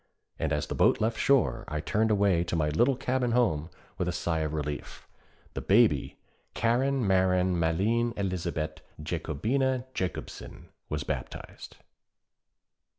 And as the boat left shore I turned away to my little cabin home with a sigh of relief. The Baby Karin Marin Malene Elsebet Jakobina Jakobson was baptized.